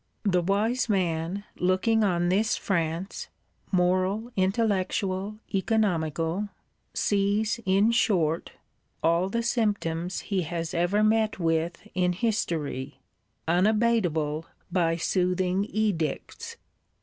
The wise man, looking on this France, moral, intellectual, economical, sees, "in short, all the symptoms he has ever met with in history,"—unabatable by soothing Edicts.